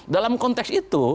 dalam konteks itu